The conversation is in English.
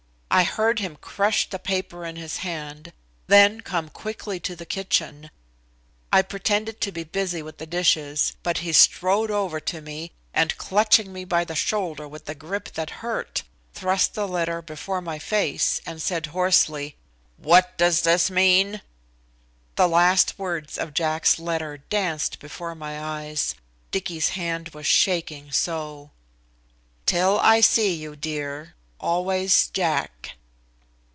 I Heard him crush the paper in his hand, then come quickly to the kitchen. I pretended to be busy with the dishes, but he strode over to me, and clutching me by the shoulder with a grip that hurt, thrust the letter before my face, and said hoarsely: "What does this mean?" The last words of Jack's letter danced before my eyes, Dicky's hand was shaking so. "Till I see you, dear. Always Jack."